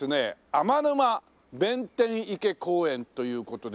天沼弁天池公園という事で。